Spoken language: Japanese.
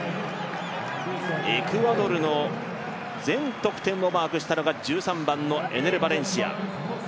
エクアドルの全得点をマークしたのが１３番のエネル・バレンシア。